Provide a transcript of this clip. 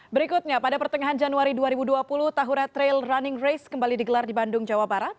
berikutnya pada pertengahan januari dua ribu dua puluh tahura trail running race kembali digelar di bandung jawa barat